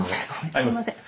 すいません。